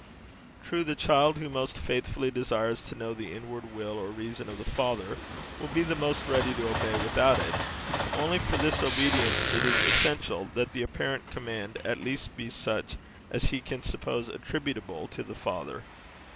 True, the child who most faithfully desires to know the inward will or reason of the Father, will be the most ready to obey without it; only for this obedience it is essential that the apparent command at least be such as he can suppose attributable to the Father.